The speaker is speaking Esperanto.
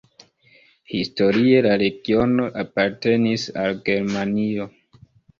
Historie la regiono apartenis al Germanio.